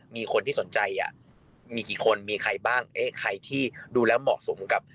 มีคนที่สนใจมีกี่คนมีใครบ้างไห้ที่ดูแล้วเหมาะสมกับ